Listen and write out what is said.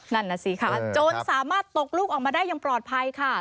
นั่นน่ะสิคะจนสามารถตกลูกออกมาได้อย่างปลอดภัยค่ะ